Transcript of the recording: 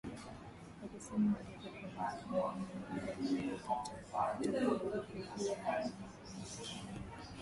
wakisema ongezeko la asilimia mia moja haliwezi hata kufidia mfumuko wa bei wa kila mwaka